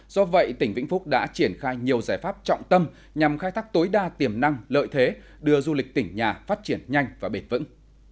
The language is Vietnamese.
do vậy tỉnh vĩnh phúc đã triển khai nhiều giải pháp trọng tâm nhằm khai thác tối đa tiềm năng lợi thế đưa du lịch tỉnh nhà phát triển nhanh và bền vững